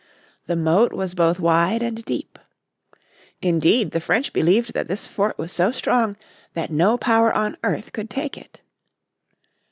The moat was both wide and deep. Indeed the French believe that this fort was so strong that no power on earth could take it.